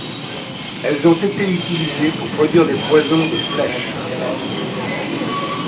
Elles ont été utilisées pour produire des poisons de flèches.